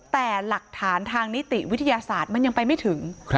แต่หลักฐานทางนิติวิทยาศาสตร์มันยังไปไม่ถึง